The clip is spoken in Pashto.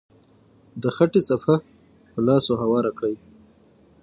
د خټې صفحه په لاسو هواره کړئ.